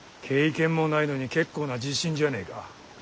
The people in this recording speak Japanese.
経験もないのに結構な自信じゃねえか。